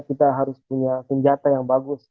kita harus punya senjata yang bagus